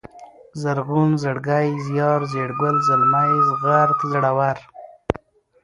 زرغون ، زړگی ، زيار ، زېړگل ، زلمی ، زغرد ، زړور